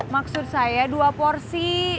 maksud saya dua porsi